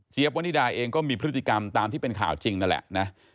วนิดาเองก็มีพฤติกรรมตามที่เป็นข่าวจริงนั่นแหละนะ